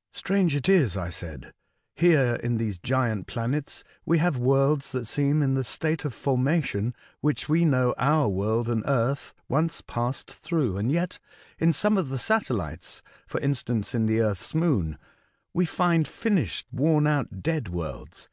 *' Strange it is," I said, " here in these giant planets we have worlds that seem in the state of formation which we know our world and Earth once passed through ; and yet in some of the satellites (for instance, in the Earth's Moon), we find finished, worn out, dead worlds.